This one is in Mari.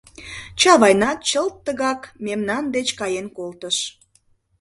Чавайнат чылт тыгак мемнан деч каен колтыш.